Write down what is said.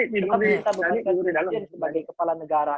tetapi kita bebankan kepada presiden sebagai kepala negara